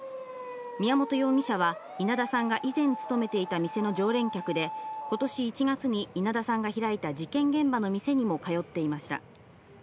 宮本容疑者は、稲田さんが以前勤めていた店の常連客で、ことし１月に稲田さんが開いた事件現場の店にも通っていました。